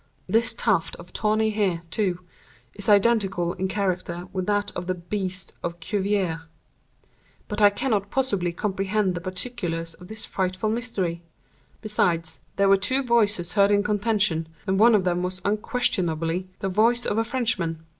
This tuft of tawny hair, too, is identical in character with that of the beast of Cuvier. But I cannot possibly comprehend the particulars of this frightful mystery. Besides, there were two voices heard in contention, and one of them was unquestionably the voice of a Frenchman."